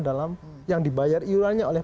dalam yang dibayar iurannya oleh